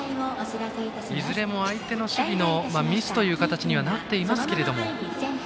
いずれも相手の守備のミスという形になっていますけども。